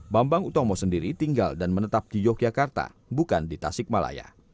bambang utomo sendiri tinggal dan menetap di yogyakarta bukan di tasikmalaya